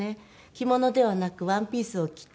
着物ではなくワンピースを着て。